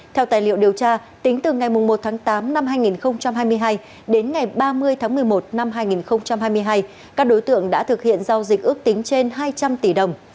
theo tài liệu điều tra tính từ ngày một tháng tám năm hai nghìn hai mươi hai đến ngày ba mươi tháng một mươi một năm hai nghìn hai mươi hai các đối tượng đã thực hiện giao dịch ước tính trên hai trăm linh tỷ đồng